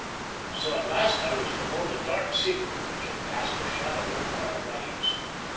So at last I was to know the dark secret which had cast a shadow over our lives.